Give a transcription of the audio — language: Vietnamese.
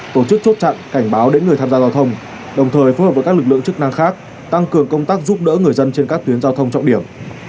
tổ chức chốt chặn cảnh báo đến người tham gia giao thông đồng thời phối hợp với các lực lượng chức năng khác tăng cường công tác giúp đỡ người dân trên các tuyến giao thông trọng điểm